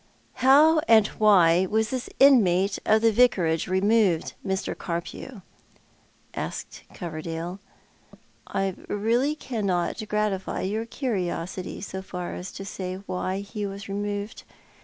" How and why was this inmate of the Yicarage removed, Mr, Carpew ?" asked Coverdale. "I really cannot gratify your curiosity so far as to say why he was removed.